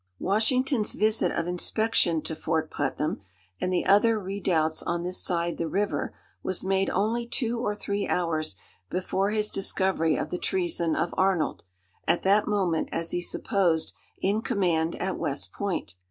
Washington's visit of inspection to Fort Putnam, and the other redoubts on this side the river, was made only two or three hours before his discovery of the treason of Arnold, at that moment as he supposed in command at West Point.